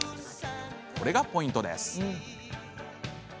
これがポイントです。